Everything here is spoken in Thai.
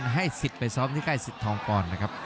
ให้สิทธิ์ไปซ้อมที่ใกล้สิทธองปอนด์นะครับ